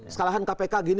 sekalahan kpk gini